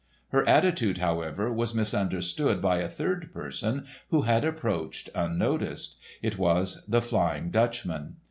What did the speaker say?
Her attitude, however, was misunderstood by a third person who had approached unnoticed. It was the Flying Dutchman.